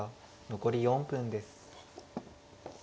残り４分です。